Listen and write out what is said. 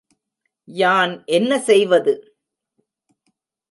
யான் என்ன செய்வது?